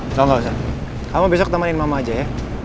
engga engga usah kamu besok temanin mama aja ya